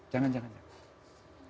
jangan jangan jangan